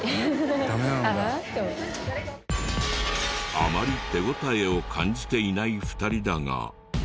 あまり手応えを感じていない２人だが。